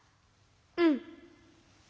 うん。